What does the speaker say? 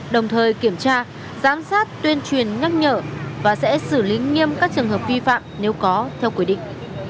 đồng thời kiểm tra giám sát tuyên truyền nhắc nhở và sẽ xử lý nghiêm các trường hợp vi phạm nếu có theo quy định